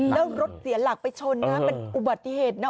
แล้วรถเสียหลักไปชนนะเป็นอุบัติเหตุนะ